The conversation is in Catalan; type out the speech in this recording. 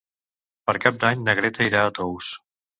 Per Cap d'Any na Greta irà a Tous.